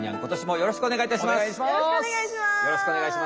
よろしくお願いします。